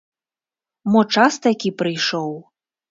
Мо час такі прыйшоў?